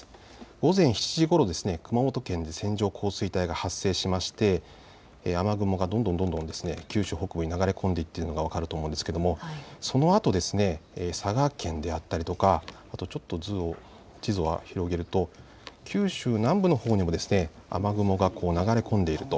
午前７時ごろ、熊本県に線状降水帯が発生しまして雨雲がどんどん九州北部に流れ込んで行っているのが分かると思うんですが、そのあと佐賀県であったりちょっと地図を広げると九州南部のほうにも雨雲が流れ込んでいると。